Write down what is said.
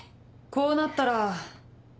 こうなったら。